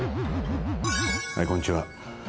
はいこんにちは。